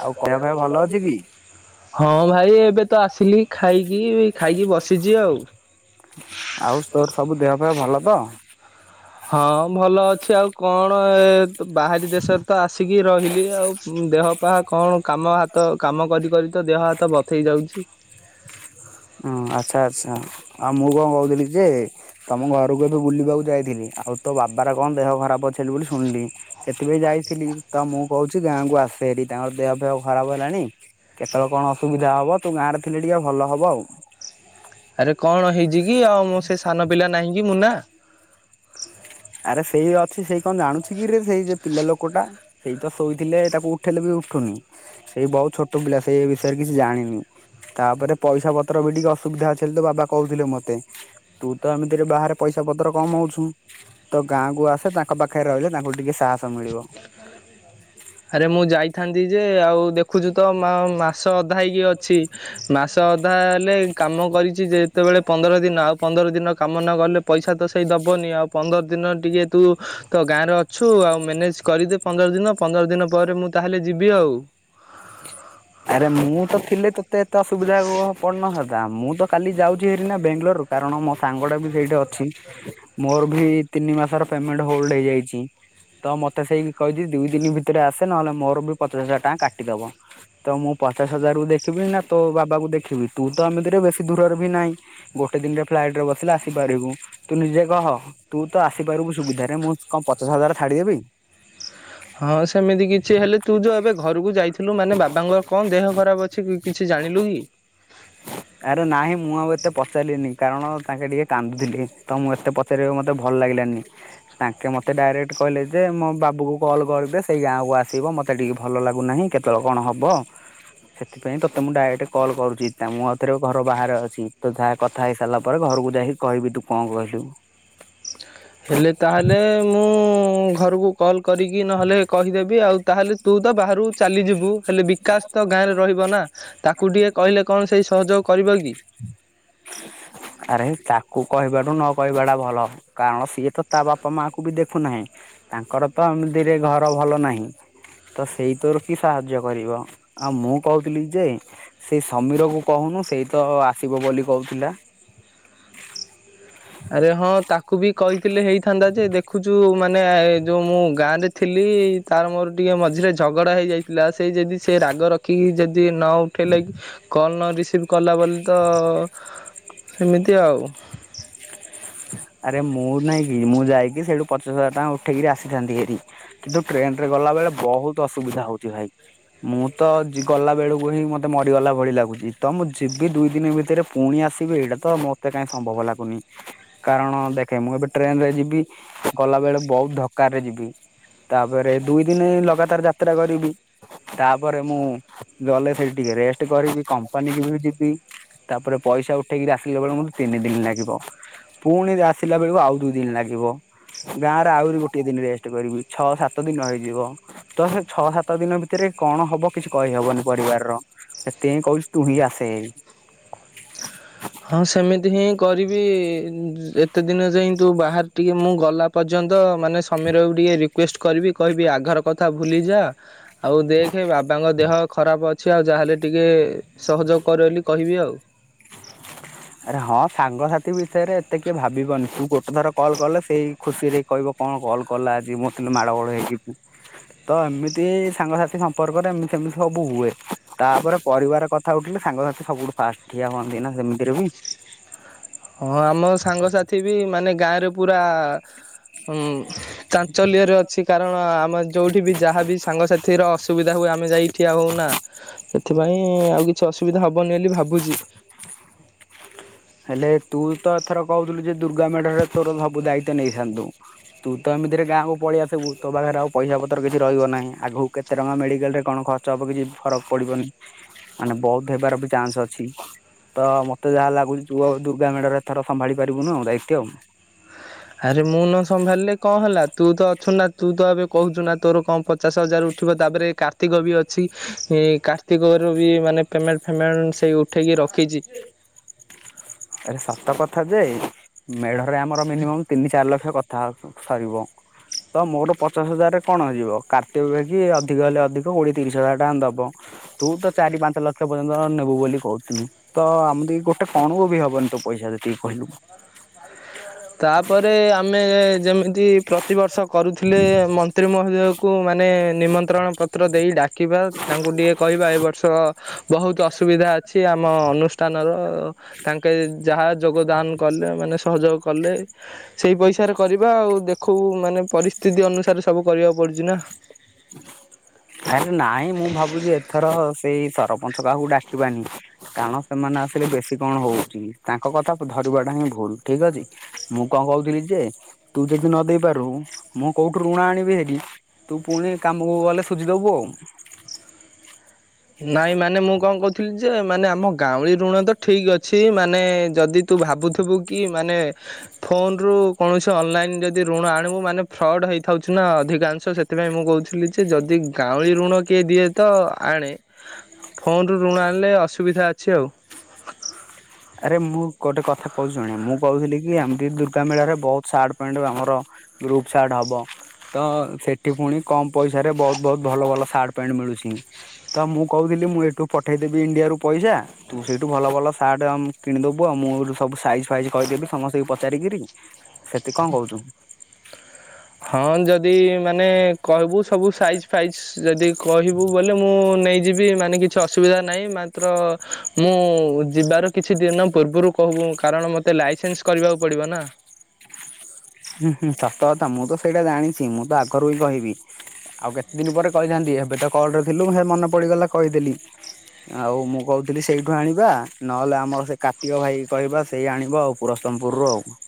ଆଉ କହିବା ପାଇଁ ଭଲ ଅଛି କି? ହଁ ଭାଇ ଏବେ ତ ଆସିଲି ଖାଇକି ଖାଇକି ବସିଛି ଆଉ। ଆଉ ତୋର ସବୁ ଦେହ ପାହ ଭଲ ତ? ହଁ ଭଲ ଅଛି ଆଉ କଣ ଏ ବାହାରି ଦେଶରେ ତ ଆସିକି ରହିଲି ଆଉ। ହଁ ଦେହ ପାହା କଣ କାମ ହାତ କାମ କରି କରି ତ ଦେହ ହାତ ବଥେଇ ଯାଉଛି। ହୁଁ ଆଚ୍ଛା ଆଚ୍ଛା ଆଉ ମୁଁ କଣ କହୁଥିଲି ଯେ ତମ ଘରକୁ ଏବେ ବୁଲିବାକୁ ଯାଇଥିଲି ଆଉ ତୋ ବାବାର କଣ ଦେହ ଖରାପ ଅଛି ବୋଲି ଶୁଣିଲି। ସେଥିପାଇଁ ଯାଇଥିଲି ତ ମୁଁ କହୁଛି ଗାଁକୁ ଆସ ହେରି। ତାଙ୍କର ଦେହ ଫେହ ଖରାପ ହେଲାଣି କେତେବେଳେ କଣ ଅସୁବିଧା ହବ ତୁ ଗାଁରେ ଥିଲେ ଟିକେ ଭଲ ହବ ଆଉ। ଆରେ କଣ ହେଇ ଛି କି ଆଉଁ ସେ ସାନ ପିଲା ନାହିଁ କି ମୁନା? ଆରେ ସେଇ ଅଛି ସେଇ କଣ ଜାଣୁଛି କିରେ ସେଇ ଯେ ପିଲା ଲୋକ ଟା। ସେଇ ତ ଶୋଇଥିଲେ ତାକୁ ଉଠେଇଲେ ବି ଉଠୁନି। ସେଇ ବହୁତ ଛୋଟ ପିଲା ସେଇ ବିଷୟରେ କିଛି ଜାଣିନି। ତାପରେ ପଇସା ପତ୍ର ବି ଟିକେ ଅସୁବିଧା ଅଛି ତ ବାବା କହୁଥିଲେ ମତେ। ତୁ ତ ଏମିତିରେ ବାହାରେ ପଇସା ପତ୍ର କମାଉଛୁ। ତ ଗାଁକୁୁ ଆସେ ତାଙ୍କ ପାଖରେ ରହିଲେ ତାଙ୍କୁ ଟିକେ ସାହସ ମିଳିବ। ଆରେ ମୁଁ ଯାଇଥାନ୍ତି ଯେ ଆଉ ଦେଖୁଛୁ ତ ମା ମାସ ଅଧା ହେଇକି ଅଛି। ମାସ ଅଧା ହେଲେ କାମ କରିଛି ଯେ ଯେତେବେଳେ ପନ୍ଦର ଦିନ ଆଉ ପନ୍ଦର ଦିନ କାମ ନଗଲେ ପଇସା ତ ସେଇ ଦବନି ଆଉ ପନ୍ଦର ଦିନ ଟିକେ ତୁ ତ ଗାଁରେ ଅଛୁ ଆଉ ମ୍ୟାନେଜ୍ କରିଦେ ପନ୍ଦର ଦିନ ପନ୍ଦର ଦିନ ପରେ ମୁଁ ତାହେଲେ ଯିବି ଆଉ। ଆରେ ମୁଁ ତ ଥିଲେ ତୋତେ ଏତେ ଅସୁବିଧା ପଡିନଥା ମୁଁ ତ କାଲି ଯାଉଛି ହେରି ନା ବେଙ୍ଗାଲୋରୁ କାରଣ ମୋ ସାଙ୍ଗଟା ବି ସେଇଠି ଅଛି। ମୋର ବି ତିନି ମାସର ପେମେଣ୍ଟ ହୋଲଡ ହେଇଯାଇଛି। ତ ମତେ ସେଇକି କହିଛି ଦି ଦିନ ଭିତରେ ଆସେ ନହେଲେ ମୋର ବି ପଚାଶ ହଜାର ଟଙ୍କା କାଟିଦବ। ତ ମୁଁ ପଚାଶ ହଜାର କୁ ଦେଖିବି ନା ତୋ ବାବା କୁ ଦେଖିବି ତୁ ତ ଏମିତିରେ ବେଶୀ ଦୂରରେ ବି ନାହିଁ। ଗୋଟେ ଦିନରେ ଫ୍ଲାଇଟ ରେ ବସିଲେ ଆସିପାରିବୁ ତୁ ନିଜେ କହ। ତୁ ତ ଆସିପାରିବୁ ସୁବିଧାରେ ମୁଁ କ ପଚାଶ ହଜାର ଛାଡ଼ିଦେବି। ହଁ ସେମିତି କିଛି ହେଲେ ତୁ ଯୋଉ ଏବେ ଘରକୁ ଯାଇ ଥିଲୁ ମାନେ ବାବାଙ୍କର କଣ ଦେହ ଖରାପ ଅଛି କିଛି ଜାଣିଲୁ କି? ଆରେ ନାଇଁ ମୁଁ ଆଉ ଏତେ ପଚାରିଲିନି କାରଣ ତାଙ୍କେ ଟିକେ କାନ୍ଦୁଥିଲି ତ ମୁଁ ଏତେ ପାରି ରିବାକୁ ମତେ ଭଲ ଲାଗିଲାନି। ତାଙ୍କେ ମୋତେ ଡାଇରେକ୍ଟ କହିଲେ ଯେ ମୋ ବାବୁ କଲ୍ କରିବେ ସେଇ ଗାଁକୁ ଆସିବ ମୋତେ ଟିକେ ଭଲ ଲାଗୁନାହିଁ କେତ ଳ କଣ ହବ ସେଥିପାଇଁ ତୋତେ ମୁଁ ଡାଇରେକ୍ଟ କଲ୍ କରୁଛି ଏଥରେ ଘର ବାହାରେ ଅଛି ତ ଯାହା କଥା ହେଇସାରିଲା ପରେ ଘରକୁ ଯାଇକି କହିବି ତୁ କଣ କହିଲୁ। ହେଲେ ତାହେଲେ ମୁଁ ଘରକୁ କଲ୍ କରିକି ନହେଲେ କହିଦେବି ଆଉ ତାହେଲେ ତୁ ତ ବାହାରୁ କୁ ଚାଲିଯିବୁ ହେଲେ ବିକାଶ ତ ଗାଁରେ ରହିବ ନା। ତାକୁ ଟିକେ କହିଲେ କଣ ସେଇ ସହଯୋଗ କରିବ କି। ଆରେ ତାକୁ କହିବାଠୁ ନ କହିବାଟା ଭଲ କାରଣ ସିଏ ତ ତା ବାପା ମା ଙ୍କୁ ବି ଦେଖୁନାହିଁ। ତାଙ୍କର ତ ଏମିତିରେ ଘର ଭଲ ନାହିଁ। ତ ସେଇ ତୋର କି ସାହାଯ୍ୟ କରିବ ଆଉ ମୁଁ କହୁଥିଲି ଯେ ସେଇ ସମୀର କୁ କହୁନୁ ସେଇ ତ ଆସିବ ବୋଲି କହୁଥିଲା। ଆରେ ହଁ ତାକୁ ବି କହିଥିଲେ ହେଇଥାନ୍ତା ଯେ ଦେଖୁଛୁ ମାନେ ଯୋଉ ମୁଁ ଗାଁ ରେ ଥିଲି। ତାର ମୋର ଟିକେ ମଝିରେ ଝଗଡା ହେଇଯାଇଥିଲା ସେଇ ଯଦି ସେ ରାଗ ରଖିକି ଯଦି ଦି ନ ଉଠେଇଲେ କଲ୍ ନ ରିସିଭ୍ କଲା ବୋଲି ତ ସେମିତି ଆଉ। ଆରେ ମୁଁ ନାଇଁ କି ମୁଁ ଯାଇକି ସେଇଠୁ ପଚାଶ ହଜାର ଟଙ୍କା ଉଠେଇକିରି ଆସିଥାନ୍ତି ହେରି। କିନ୍ତୁ ଟ୍ରେନ୍ଟ ରେ ଗଲା ବେଳେ ବହୁତ୍ ଅସୁବିଧା ହଉଛି ଭାଇ। ମୁଁ ତ ଜି ଗଲା ବେଳକୁ ହିଁ ମତେ ମରିଗଲା ଭଳି ଲାଗୁଛି ତ ମୁଁ ଯିବି ଦୁଇ ଦିନ ଭିତରେ ପୁଣି ଆସିବେ ଏଇଟା ତ ମତେ କାଇହିଁ ସମ୍ଭବ ଲାଗୁନି। କାରଣ ଦେଖେ ମୁଁ ଏବେ ଟ୍ରେନରେ ଯିବି ଗଲା ବେଳେ ବହୁତ ଧକ୍କା ରେ ଯିବି। ତାପରେ ଦୁଇ ଦିନ ଲଗାତାର୍ ଯାତ୍ରା କରିବି। ତାପରେ ମୁଁ ଗଲେ ସେଠି ଟିକେ ରେଷ୍ଟ କରିବି କମ୍ପାନୀକୁ ବି ଯିବି। ତାପରେ ପଇସା ଉଠେଇକିରି ଆସିଲା ବେଳେ ମୋତେ ତିନି ଦିନ ଲାଗିବ। ପୁଣି ଆସିଲା ବେଳକୁ ଆଉ ଦୁଇ ଦିନ ଲାଗିବ। ଗାଁରେ ଆହୁରି ଗୋଟେ ଦିନ ରେଷ୍ଟ କରିବି ଛଅ ସାତ ଦିନ ହେଇଯିବ। ତ ସେ ଛଅ ସାତ ଦିନ ଭିତରେ କଣ ହବ କିଛି କହିହବନି ପରିବାରର। ସେଥିପାଇଁ କହୁଛି ତୁ ହିଁ ଆସେ। ହଁ ସେମିତି ହିଁ କରିବି ଏତେ ଦିନ ଯାଇ ତୁ ବାହାରେ ଥିଲୁ ମୁଁ ଗଲା ପର୍ଯ୍ୟନ୍ତ ମାନେ ସମୀର କୁ ଟିକେ ରିକ୍ୱେଷ୍ଟ କରିବି କହିବି ଆଘର କଥା ଭୁଲି ଯା। ଆଉ ଦେଖେ ବାବାଙ୍କ ଦେହ ଖରାପ୍ ଅଛି ଆଉ ଯାହାହେଲେ ଟିକେ। ସହଯୋଗ୍ କରେ ବୋଲି କହିବି ଆଉ। ଆରେ ହଁ ସାଙ୍ଗସାଥି ବିଷୟରେ ଏତେ କିଏ ଭାବିବନି ତୁ ଗୋଟେ ଥର କଲ୍ କଲେ ସେଇ ଖୁସିରେ କହିବ କଁ କଲ୍ କଲା ଆଜି ମଁ ଟିକେ ମାଡଗୋଳ ହେଇକି ବି। ତ ଏମିତି ସାଙ୍ଗସାଥି ସମ୍ପର୍କରେ ଏମିତି ସେମିତି ସବୁ ହୁଏ ତାପରେ ପରିବାର କଥା ଥା ଉଠିଲେ ସାଙ୍ଗସାଥି ସବୁଠୁ ଫାଷ୍ଟ ଠିଆ ହୁଅନ୍ତି ନା ସେମିତିରେ ବି। ହଁ ଆମ ସାଙ୍ଗସାଥି ବି ମାନେ ଗାଁରେ ପୁରା ହୁଁ ଚାଞ୍ଚଲ୍ୟରେ ଅଛି କାରଣ ଯୋଉଠି ବି ଯାହା ବିି ସାଙ୍ଗସାଥି ର ଅସୁବିଧା ହୁଏ ଆମେ ଯାଇ ଠିଆ ହଉନା ସେଥି ପାଇଁ ଆଉ କିଛି ଅସୁବିଧା ହବନି ବୋଲି ଭାବୁଛି। ହେଲେ ତୁ ତ ଏଥର କହୁଥିଲୁ ଯେ ଦୁର୍ଗା ମେଢରେ ତୋର ସବୁ ଦାୟିତ୍ୱ ନେଇଥାନ୍ତୁ। ତୁ ତ ଏମିତିରେ ଗାଁକୁୁ ପଳେଇ ଆସିବୁ ତୋ ପାଖରେ ଆଉ ପଇସା ପତ୍ର କିଛି ରହିବ ନାହିଁ। ଆଗକୁ କେତେ ଟଙ୍କା ମେଡିକାଲ ରେ କଣ ଖର୍ଚ ହବ କିଛି ଫରକ ପଡିବନି। ମାନେ ବହୁତ୍ ହେବାର ବି ଚାନ୍ସ ଅଛି ତ ମତେ ଯାହା ଲାଗୁ ତୁ ଆଉ ଦୁର୍ଗା ମେଢରେ ଏଥର ସମ୍ଭଳି ପାରିବୁନୁ ଦାୟିତ୍ୱ ଆରେ ମୁଁ ନ ସମ୍ଭାଳିଲେ କଣ ହେଲା ତୁ ତ ଅଛୁ ନା ତୁ ତ ଏବେ କହୁଛୁ ନା ତୋର କଣ ପଚାଶ ହଜାର ଉ ଠିବ ତାପରେ କାର୍ତ୍ତିକ ବି ଅଛି କାର୍ତ୍ତିକ ର ବି ମାନେ ପେମେଣ୍ଟ ଫେମେନ୍ଟ ସେଇ ଉ ଠେଇକି ରଖିଛି। ଆରେ ସତ କଥା ଯେ ମେଢରେ ଆମର ମିନିମମ୍ ତିନି ଚାରି ଲକ୍ଷ କଥା ସରିବ। ତ ମୋର ପଚାଶ ହଜାରରେ କଣ ହେଇଯିବ [unintelligible] ଅଧିକ ହେଲେ ଅଧିକ କୋଡିଏ ତିରିଶ ହଜାର ଟଙ୍କା ଦବ। ତୁ ତ ଚାରି ପାଞ୍ଚ ଲକ୍ଷ ପର୍ଯ୍ୟନ୍ତ ନେବୁ ବୋଲି କହୁଥିଲୁ। ତ ଆମକୁ ଗୋଟେ କଣକୁ ବି ହବନି ତୁ ପଇସା ଯେତିକି କହିଲୁ ତାପରେ ଆମେ ଯେମିତି ପ୍ରତିବର୍ଷ କରୁଥିଲେ ମ ମନ୍ତ୍ରୀ ମହୋଦୟକୁ ମାନେ ନିମନ୍ତ୍ରଣ ପତ୍ର ଦେଇ ଡାକିବା ତାଙ୍କୁ ଟିକଏ କହିବା ଏ ବର୍ଷ ବହୁତ ଅସୁବିଧା ଅଛି ଆମ ଅନୁଷ୍ଠାନର ତାଙ୍କେ ଯାହା ଯୋଗଦାନ କଲେ ମାନେ ସହଯୋଗ କଲେ ସେଇ ପଇସାରେ କରିବା ଆଉ ଦେଖ ଖୁବ ମାନେ ପରିସ୍ଥିତି ଅନୁସାରେ ସବୁ କରିବାକୁ ପଡୁଛି ନା [unintelligible] ଆରେ ନାଇଁ ମୁଁ ଭାବୁଛି ଏଥର ସେଇ ସରପଞ୍ଚ କାହାକୁ ଡାକିବାନି। କାରଣ ସେମାନେ ଆସିଲେ ବେଶୀ କଣ ହଉଛି କି ତାଙ୍କ କଥା କୁ ଧରିବା ଟା ହିଁ ଭୁଲ ଠିକ ଅଛି। ମୁଁ କଣ କହୁଥିଲି ଯେ ତୁ ଯଦି ନ ଦେଇେ ପାରୁ ମୁଁ କୋଉଠୁ ଋଣ ଆଣିବି ହେରି ତୁ ପୁଣି କାମକୁ ଗଲେ ସୁଝିଦବୁ ଆଉ ନାଇଁ ମାନେ ମୁଁ କଣ କହୁଥିଲି ଯେ ମାନେ ଆମ ଗାଉଁଳି ଋଣ ତ ଠିକ ଅଛି ମାନେ ଯଦି ତୁ ଭାବୁଥିବୁ କି ମାନେ ଫୋନ ରୁ କୌଣସି ଅନଲାଇନ୍ ଯଦି ଋଣ ଆଣିବୁ ମାନେ ଫ୍ରଡ଼୍ ହେଇଥାଉଛି ନା ଅଧିକାଂଶ ସେଥିପାଇଁ ମୁଁ କହୁଛି ନିଯେ ଯଦି ଗାଉଁଲି ଋଣ କିଏ ଦିଏ ତ ଆଣେ ଫୋନ୍ ରୁ ଋଣ ଆଣିଲେ ଅସୁବିଧା ଅଛି ଆଉ ଆରେ ମୁଁ ଗୋଟେ କଥା କହୁଛି ଶଣେ ମୁଁ କହୁଥିଲି କି ଏମିତି ଦୁର୍ଗା ମେଢରେ ବହୁତ ସାଟ୍ ପ୍ୟାଣ୍ଟ ଆମର ଗୃପ୍ ସାର୍ଟ ହବ ତ ସେଠି ପୁଣି କମ ପଇସାରେ ବହୁତ ବହୁତ ଭଲ ଭଲ ସାର୍ଟ ପ୍ୟାଣ୍ଟ ମିଳୁଛି ତ ମୁଁ କହୁଥିଲି ମୁଁ ଏଇଠୁ ପଠେଇଦେବି ଇଣ୍ଡିଆ ରୁ ପଇସା ତୁ ସେଇଠୁ ଭଲ ଭଲ ସାର୍ଟ ଦେବୁ ଆଉ ମୁଁ ସବୁ ସାଇଜ ଫାଇଜ୍ କରିଦେବି ସମସ୍ତଙ୍କୁ ପଚାରିକିରି ସେଠି କଣ କହୁଛୁ? ହଁ ଯଦି ମାନେ କହିବୁ ସବୁ ସାଇଜ ଫାଇଜ ଯଦି କହିବୁ ବଲେ ମୁଁ ନେଇଯିବି ମାନେ କିଛି ଅସୁବିଧା ନାହିଁ ମାତ୍ର ମୁଁ ଯିବାର କିଛି ଦିନ ପୂର୍ବରୁ କହିବୁ କାରଣ ମତେ ଲାଇସେନ୍ସ କରିବାକୁ ପଡିବ ନା। ହୁଁ ହୁଁ ସତ କଥା ମୁଁ ତ ସେଇଟା ଜାଣିଛି ମୁଁ ତ ଆଗରୁ ହିଁ କହିବି। ଆଉ କେତେ ଦିନ ପରେ କହିଥାନ୍ତି ଏବେ ତ କଲରେ ଥିଲୁଁ ସେ ମନେ ପଡିଗଲା କହିଦେଲି। ଆଉ ମୁଁ କହୁଛିି କଥିଲି ସେଇଠୁ ଆଣିବା ନହେଲେ ଆମର ସେ କାର୍ତିକ ଭାଇ କହିବା ସେଇ ଆଣିବ ଆଉ ପୁରସମପୁରରୁ ଆଉ।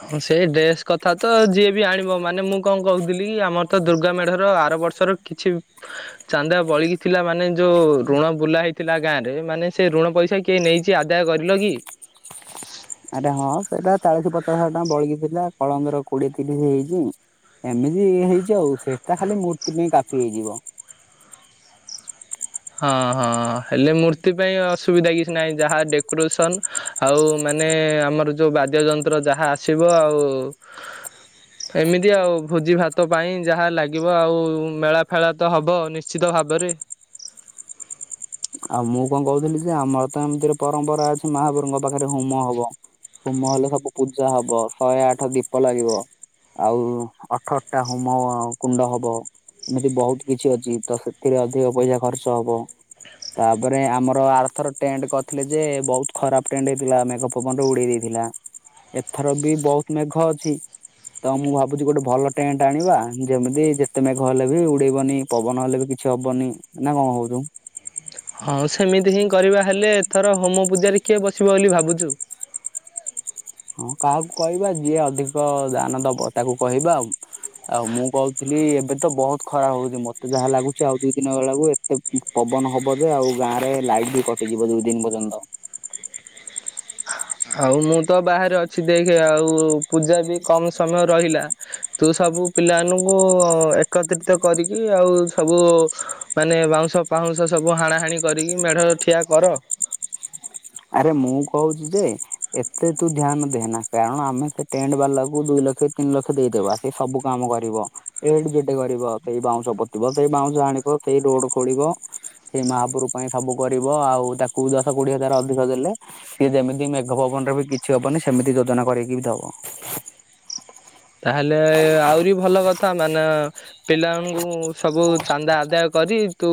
ହଁ ସେଇ ଡ୍ରେସ କଥା ତ ଯିଏ ବି ଆଣିବ ମାନେ ମୁଁ କଣ କହୁଥିଲି କି ଆମର ତ ଦୁର୍ଗା ମେଢର ଆର ବର୍ଷର କିଛି ଚାନ୍ଦା ବଳିକିଥି ଥିଲା ମାନେ ଯୋଉ ଋଣ ବୁଲା ହେଇଥିଲା ଗାଁ ରେ ମାନେ ସେ ଋଣ ପଇସା କିଏ ନେଇଛି ଆଦାୟ କରିଲ କି? [unintelligible] ଆରେ ହଁ ସେଟା ଚାଳିଶ ପଚାଶ ହଜ ଟଙ୍କା ବଳଗି ଥିଲା କଳନ୍ଦର କୋଡିଏ ତିରିଶ ହେଇଛି। ଏମିତି ହେଇଛି ଆଉ ସେଟା ଖାଲି ମୂର୍ତ୍ତି ପାଇଁ କାଫି ହେଇଯିବ। ହଁ ହଁ ହେଲେ ମୂର୍ତ୍ତି ପାଇଁ ଅସୁବିଧା କିଛି ନାହିଁ ଯାହା ଡେ କୋରେସନ ଆଉ ମାନେ ଆମର ଯୋଉ ବାଦ୍ୟ ଯନ୍ତ୍ର ଯାହା ଆସିବ ଆଉ। [unintelligible] ଏମିତି ଆଉ। ଭୋଜି ଭାତ ପାଇଁ ଯାହା ଲାଗିବ ଆଉ ମେଳା ଫେଳା ତ ହବ ନିଶ୍ଚିତ ଭାବରେ। ଆଉ ମୁଁ କଣ କହୁଥିଲି ଯେ ଆମର ତ ଏମିତିରେ ପରମ୍ପରା ଅଛି ମହାପୁରୁଙ୍କ ପାଖରେ ହୁମ ହବ। ହୋମ ହେଲେ ସବୁ ପୂଜା ହବ ଶହେ ଆଠ ଦୀପ ଲାଗିବ। ଆଉ ଅଠଟା ହୋମ କୁଣ୍ଡ ହବ। ଏମିତି ବହୁତ କିଛି ଅଛି ତ ସେଥିରେ ଅଧିକ ପଇସା ଖର୍ଚ୍ଚ ହବ। ତାପରେ ଆମର ଆର୍ଥର ଟେଣ୍ଟ କରିଥିଲେ ଯେ ବହୁତ ଖରାପ ଟେଣ୍ଟ ହେଇଥିଲା ମେଘ ପବନରେ ଉଡେଇ ଦେଇଥିଲା। ଏଥର ବି ବହୁତ ମେଘ ଅଛି। ତ ମୁଁ ଭାବୁଛି ଗୋଟେ ଭଲ ଟେଣ୍ଟ ଆଣିବା ଯେମିତି ଯେତେ ମେଘ ହେଲେ ବି ଉଡେଇବନି। ପବନ ହେଲେ ବି କିଛି ହବନି ନା କଣ କହୁଛୁ? ହଁ ସେମିତି ହିଁ କରିବା ହେଲେ ଏଥର ହୋମ ପୂଜାରେ କିଏ ବସିବ ବୋଲି ଭାବୁଛୁ? ହଁ କାହାକୁ କହିବା ଯିଏ ଅଧିକ ଦାନ ଦବ ତାକୁ କହିବା ଆଉ ଆଉ ମୁଁ କହୁଥିଲି ଏବେ ତ ବହୁତ ଖରାପ ହଉଛି ମତେ ଯାହା ଲାଗୁଛି ଆଉ ଦୁଇ ଦିନ ବଲା ବକୁ ଏ ଏ ପବନ ହବ ଯେ ଆଉ ଗାଁ ରେ ଲାଇଟ୍ ବି କଟିଯିବ ଦୁଇ ଦିନ ପର୍ଯ୍ୟନ୍ତ। ଆଉ ମୁଁ ତ ବାହାରେ ଅଛି ଦେଖି ଆଉ ପୂଜା ବି କମ ସମୟ ରହିଲା। ତୁ ସବୁ ପିଲାମାନଙ୍କୁ ଏକତ୍ରିତ କରିକି ଆଉ ସବୁ ମାନେ ବାଉଁଶ ପାଉଁଶ ସବୁ ହାଣାହାଣି କରିକି ମେଢ ଠିଆ କର। ଆରେ ମୁଁ କହୁଛି ଯେ ଏତେ ତୁ ଧ୍ୟାନ ଦେହନା କାରଣ ଆମେ ସେ ଟେଣ୍ଟ ବାଲାକୁୁ ଦୁଇ ଲକ୍ଷ ତିନି ଲକ୍ଷ ଦେଇଦବା। ସେ ସବୁ କାମ କରିବ ଏଇଠି ଯେଠେ କରିବ ସେଇ ବାଉଁଶ ପୋତିବ ସେଇ ବାଉଁଶ ଆଣ ଆ ସେହି ରୋଡ଼ ଖୋଳିବ। ସେଇ ମହାପୁର ପାଇଁ ସବୁ କରିବ ଆଉ ତାକୁ ଦଶ କୋଡିଏ ହଜାର ଅଧିକ ଦେଲେ। ସିଏ ଯେମିତି ମେଘ ପବନରେ ବି କିଛି ହବନି ସେମିତି ଯୋଜନା କରିକି ବି ଦବ। ତାହେଲେ ଆହୁରି ଭଲ କଥା ମାନେ ପିଲାଙ୍କୁ ସବୁ ଚାନ୍ଦା ଆଦାୟ କରି ତୁ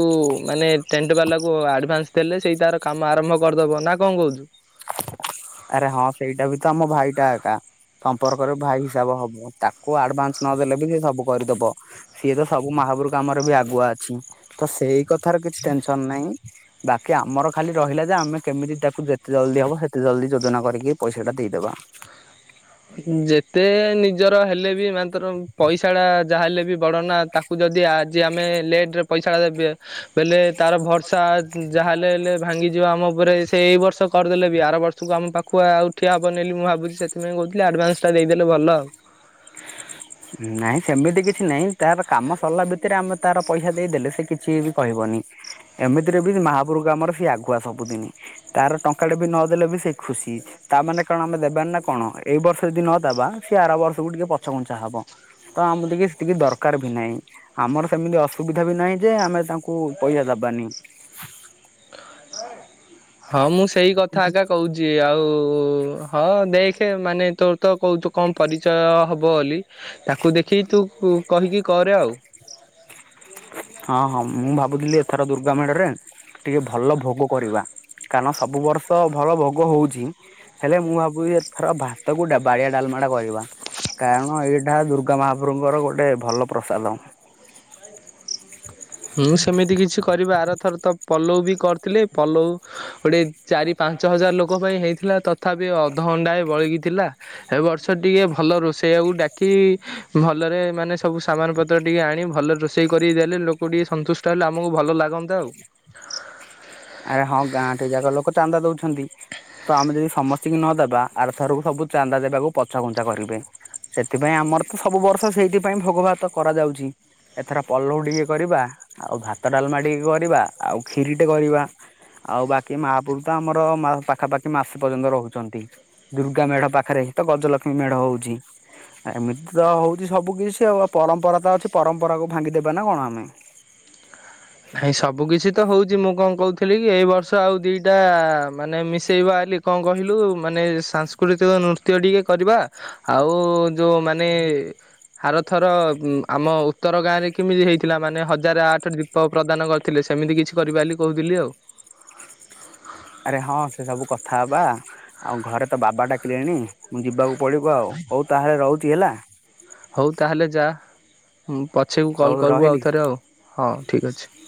ମାନେ ଟେଣ୍ଟ ବାଲାକୁ ଆଡ଼ଭାନ୍ସ ଦେଲେ ସେଇ ତାର କାମ ଆରମ୍ଭ କରିଦେବ ନା କଣ କହୁଛୁ? ଆରେ ହଁ ସେଇଟା ବି ତ ଆମ ଭାଇଟା ଏକା ସମ୍ପର୍କରେ ଭାଇ ହିସାବ ହବ ତାକୁ ଆଡଭାନ୍ସ ନଦେଲେ ବି ସେ ସବୁ କରିଦବ। ସିଏ ତ ସବୁ ମହାପୁରୁ କାମରେ ବି ଆଗୁଆ ଅଛି ତ ସେଇ କଥାର କିଛି ଟେନସନ ନାହିଁ। ବାକି ଆମର ଖାଲି ରହିଲା ଯେ ଆମେ କେମିତି ତାକୁ ଯେତେ ଜଲଦି ହବ ସେତେ ଜଲଦି ଯୋଜନା କରିକି ପଇସାଟା ଦେଇଦବା। ଯେତେ ନିଜର ହେଲେ ବି ମାତର ପଇସା ଟା ଯାହା ହେଲେ ବି ବଡ ନା ତାକୁ କୁ ଯଦି ଆଜି ଆମେ ଲେଟରେ ପଇସାଟା ଦେବେ ବଲେ ତାର ଭରସା ଯାହା ହେଲେ ହେଲେ ଭାଙ୍ଗିଯିବ ଆମ ଉପରେ ସେ ଏଇ ବର୍ଷ- କରିଦେଲେ ବି ଆର ବର୍ଷକୁ ଆମ ପାଖକୁ ଆଉ ଠିଆ ହେବନେଲି ମୁଁ ଭାବୁଛି ସେଥିପାଇଁ କହୁଥିଲି। ଆଡ଼ଭାନ୍ସଟା ଦେଇଦେଲେ ଭଲ ଆଉ ନାଇଁ ସେମିତି କିଛି ନାଇଁ ତାର କାମ ସରିଲା ଭିତରେ ଆମେ ତାର ପଇସା ଦେଇଦେଲେ ସେ କିଛି ବି କହିବନି ଏମିତିରେ ବି ମହାପୁରୁକୁ ଆମର ସିଏ ଆଗୁଆ ସବୁଦିନ। ତାର ଟଙ୍କା ଟା ବି ନଦେଲେ ବି ସେ ଖୁସି। ତା ମାନେ କାରଣ ଆମେ ଦେବାନି ନା କଣ ଏଇ ବର୍ଷ ଯଦି ନଦବା ସିଏ ଆର ବର୍ଷକୁ ଟିକେ ପଛଘୁଞ୍ଚା ହବ। ତ ଆମ ଟିକେ ସେତିକି ଦରକାର ବି ନାହିଁ। ଆମର ସେମିତି ଅସୁବିଧା ବି ନାହିଁ ଯେ ଆମେ ତାଙ୍କୁ ପଇସା ଦବାନି। ହଁ ମୁଁ ସେଇ କଥା ଏକା କହୁଛି ଆଉ ହଁ ଦେଖେ ମାନେ ତୋ ତ କହୁଛୁ। କଣ ପରିଚୟ ହେବ ବୋଲି ତାକୁ ଦେଖେଇ ତୁ କହିକି କରେ ଆଉ ହଁ ହଁ ମୁଁ ଭାବୁଥିଲି ଏଥର ଦୁର୍ଗା ମେଢରେ ଟିକେ ଭଲ ଭୋଗ କରିବା। କାରଣ ସବୁ ବର୍ଷ ଭଲ ଭୋଗ ହଉଛି ହେଲେ ମୁଁ ଭାବୁଛି ଏଥର ଭା ତ ଗୋଟେ ବାଡିଆ ଡାଲମାଟା କରିବା କାରଣ ଏଇଟା ଦୁର୍ଗା ମହାପ୍ରଭୁଙ୍କର ଗୋଟ ଗୋଟେ ଭଲ ପ୍ରସାଦ। ମୁଁ ସେମିତି କିଛି କରିବା ଆରଥର ତ ପଲଉ ବି କରିଥିଲେ ପଲଉ ଗୋଟିଏ ଚାରି ପାଞ୍ଚ ହଜାର ଲୋକ ପାଇଁ ହେଇଥିଲା ତଥାପି ଅଧହାଣ୍ଡେ ବଳକି ଥିଲା। ଏ ବର୍ଷ ଟିକେ ଭଲ ରୋଷେଇଆକୁ ଡାକି ଭଲରେ ମାନେ ସବୁ ସମାନ ପତ୍ର ଟିକେ ଆଣି ଭଲରେ ରୋଷେଇ କରି ଦେଲେ ଲୋକ ତୁ ଟିକେ ସନ୍ତୁଷ୍ଟ ହେଲେ ଆମକୁ ଭଲ ଲାଗନନ୍ତା ଆଉ। ଆରେ ହଁ ଗାଁ ଟି ଯାକ ଲୋକ ଚାନ୍ଦା ଦଉଛନ୍ତି। ତ ଆମେ ଯଦି ସମସ୍ତତି କି ନଦବା ଆରଥରକୁ ସବୁ ଚାନ୍ଦା ଦେବାକୁ ପଛା ଘୁଞ୍ଚା କରିବେ। ସେଥିପାଇଁ ଆମର ତ ସବୁ ବର୍ଷ ସେଇଥିପାଇଁ ଭୋଗ ଭାତ କରାଯାଉଛି। ଏଥର ପଲଉ ଟିକେ କରିବା ଆଉ, ଭାତ, ଡାଲମା, ଟିକେ କରିବା ଆଉ କ୍ଷିରି ଟେ କରିବା। ଆଉ ବାକି ମହାପୁରୁଷ ଆମର ପାଖାପାଖି ମାସେ ପର୍ଯ୍ୟନ୍ତ ରହୁଛନ୍ତି। ଦୁର୍ଗା ମେଢ ପାଖରେ ତ ଗଜଲକ୍ଷ୍ମୀ ମେଢ ହଉଛି। ଏମିତି ତ ହଉଛି ସବୁ କିଛି ଆଉ ପରମ୍ପରା ତ ଅଛି ପରମ୍ପରା କୁ ଭାଙ୍ଗିଦବେ ନା କଣ ଆମେ। ନାଇଁ ସବୁ କିଛି ତ ହଉଛି ମୁଁ କଣ କହୁଥିଲି କି ଏଇ ବର୍ଷ ଆଉ ଦିଟା ମାନେ ମିଶି ସେଇ ବାଲି କଣ କହିଲୁ ମାନେ ସାଂସ୍କୃତିକ ନୃତ୍ୟ ଟିକେ କରି କରିବା ଆଉ ଯୋଉ ମାନେ ଆରଥର ଆମ ଉତ୍ତର ଗାଁ ରେ କେମିତି ହେଇଥିଲା। ମାନେ ହଜାର ଆଠ ଦୀପ ପ୍ରଦାନ କରିଥିଲେ ସେ ସେମିତି କିଛି କରିବା ବୋଲି କହୁଥିଲି ଆଉ। ଆରେ ହଁ ସେ ସବୁ କଥା ହବା ଆଉ ଘରେ ତ ବାବା ଡାକିଲେଣି। ମୁଁ ଯିବାକୁ ପଡିବ ଆଉ ହଉ ତାହେଲେ ରହୁଛି ହେଲା। ହଉ ତାହେଲେ ଯା ପଛେଇକୁ କଲ୍ ହଉ କରିବୁ ରହିଲି। ଆଉଥରେ ଆଉ ହଁ ଠିକ୍ ଅଛି।